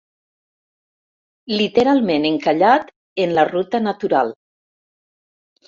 Literalment encallat en «la ruta natural».